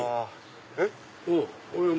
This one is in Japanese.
えっ？